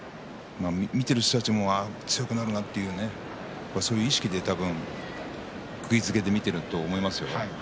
見ている人たちも強くなるなという意識でくぎづけで見ていると思います。